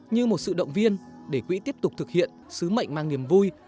như một sự động viên để quỹ tiếp tục thực hiện sứ mệnh mang niềm vui